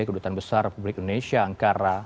kedutaan besar republik indonesia angkara